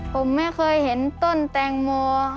ผมไม่เคยเห็นต้นแตงโม